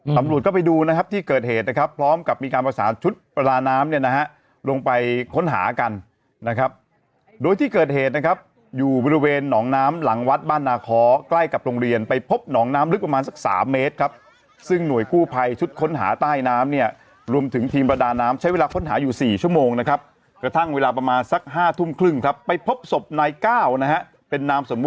สำรวจก็ไปดูนะครับที่เกิดเหตุนะครับพร้อมกับมีการประสาทชุดประดาน้ำเนี่ยนะฮะลงไปค้นหากันนะครับโดยที่เกิดเหตุนะครับอยู่บริเวณหนองน้ำหลังวัดบ้านนาคอใกล้กับโรงเรียนไปพบหนองน้ำลึกประมาณสัก๓เมตรครับซึ่งหน่วยกู้ภัยชุดค้นหาใต้น้ำเนี่ยรวมถึงทีมประดาน้ำใช้เวลาค้นหาอยู่๔ชั่วโ